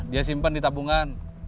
dia simpen di tabungan